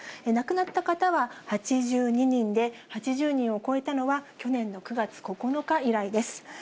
亡くなった方は８２人で、８０人を超えたのは去年の９月９日以来です。